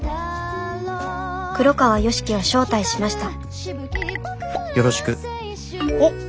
「黒川良樹を招待しました」。